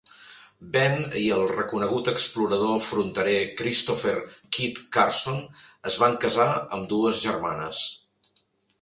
Bent i el reconegut explorador fronterer Christopher "Kit" Carson es van casar amb dues germanes.